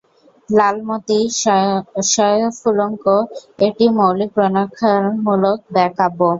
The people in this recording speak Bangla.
লালমোতি সয়ফুল্মূল্ক একটি মৌলিক প্রণয়োপাখ্যানমূলক কাব্য।